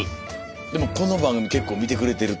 でもこの番組結構見てくれてると。